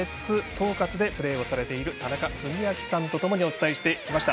東葛でプレーをされている田中史朗さんとともにお伝えしてきました。